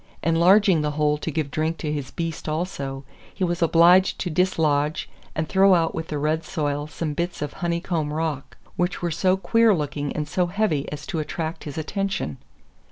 Enlarging the hole to give drink to his beast also, he was obliged to dislodge and throw out with the red soil some bits of honeycomb rock, which were so queer looking and so heavy as to attract his attention.